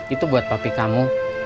itu buat papi kamu